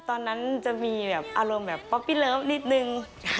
ตอนนั้นจะมีแบบอารมณ์แบบป๊อปปี้เลิฟนิดนึง